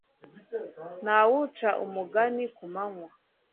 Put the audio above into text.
Ntawuca umugani kumanywa